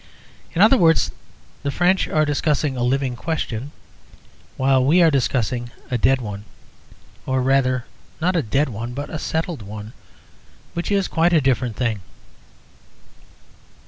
In other words, the French are discussing a living question, while we are discussing a dead one. Or rather, not a dead one, but a settled one, which is quite a different thing.